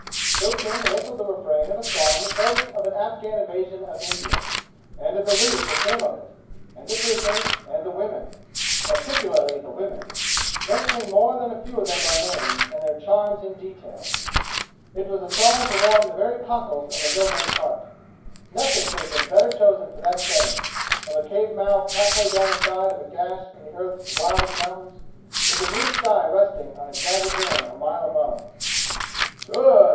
So King whistled the refrain of a song that boasts of an Afghan invasion of India, and of the loot that came of it, and the prisoners, and the women particularly the women, mentioning more than a few of them by name, and their charms in detail. It was a song to warm the very cockles of a Hillman's heart. Nothing could have been better chosen for that setting, of a cave mouth half way down the side of a gash in earth's wildest mountains, with the blue sky resting on a jagged rim a mile above. "Good!"